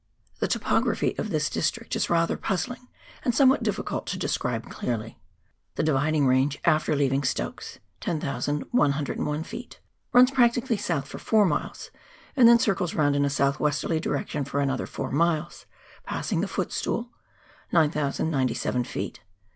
The topography of this district is rather puzzling, and some what difl&cult to describe clearly. The Dividing Range, after leaving Stokes (10,101 ft.), runs practically south for four miles, and then circles round in a south westerly direction for another four miles, passing The Footstool (9,079 ft.)